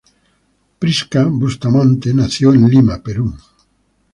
Prisca Bustamante nació en Lima, Perú.